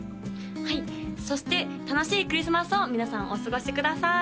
はいそして楽しいクリスマスを皆さんお過ごしください